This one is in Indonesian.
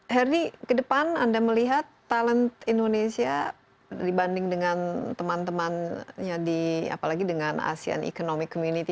herdy ke depan anda melihat talent indonesia dibanding dengan teman temannya di apalagi dengan asean economic community